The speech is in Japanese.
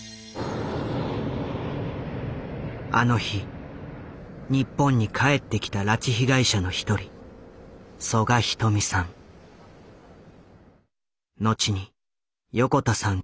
あの日日本に帰ってきた拉致被害者の一人後に横田さん